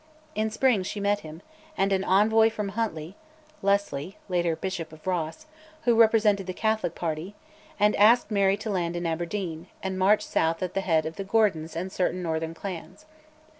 In spring she met him, and an envoy from Huntly (Lesley, later Bishop of Ross), who represented the Catholic party, and asked Mary to land in Aberdeen, and march south at the head of the Gordons and certain northern clans.